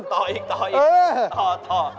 ต่ออีกต่อ